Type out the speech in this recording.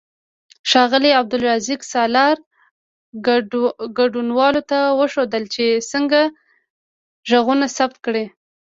ښاغلي عبدالرزاق سالار ګډونوالو ته وښودل چې څنګه غږونه ثبت کړي.